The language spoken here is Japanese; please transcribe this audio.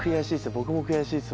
僕も悔しいです